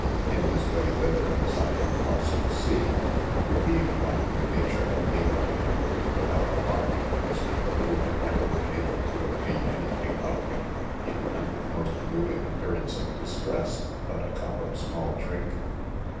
In his way thither resided Parson C , who being one whom nature had made up in a hurry without a heart, Mr. Carew had never been able to obtain any thing of him, even under the most moving appearance of distress, but a cup of small drink.